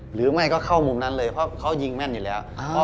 หรือไม่ก็เข้ามุมนั้นเลยเพราะเขายิงแม่นอยู่แล้ว